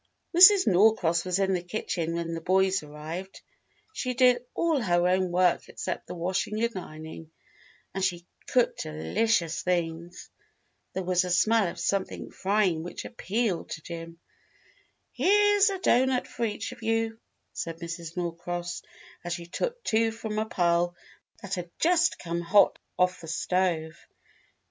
Mrs. Norcross was in the kitchen when the boys arrived. She did all her own work except the washing and ironing, and she cooked delicious things. There was a smell of something frying wliich appealed to Jim. "Here's a doughnut for each of you," said Mrs. Norcross, as she took two from a pile that had just come hot off the stove.